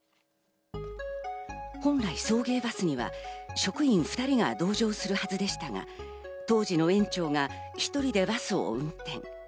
本来、送迎バスには職員２人が同乗するはずでしたが、当時の園長が１人でバスを運転。